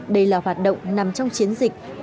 đây là hoạt động nằm trong chiến dịch